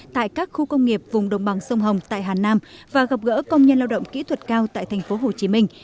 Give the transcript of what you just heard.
tại các khu công nghiệp vùng đồng bằng sông hồng tại hàn nam và gặp gỡ công nhân lao động kỹ thuật cao tại thành phố hồ chí minh